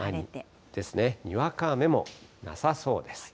にわか雨もなさそうです。